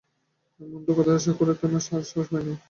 এমনতরো কথা আশা করিতেও আমার সাহস হয় নাই।